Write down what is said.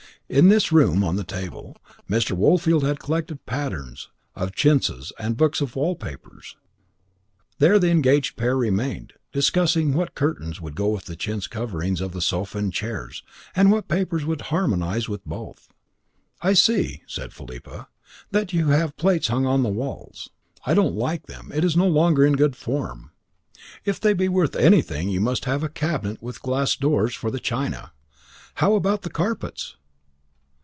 In this room, on the table, Mr. Woolfield had collected patterns of chintzes and books of wall papers. There the engaged pair remained, discussing what curtains would go with the chintz coverings of the sofa and chairs, and what papers would harmonise with both. "I see," said Philippa, "that you have plates hung on the walls. I don't like them: it is no longer in good form. If they be worth anything you must have a cabinet with glass doors for the china. How about the carpets?"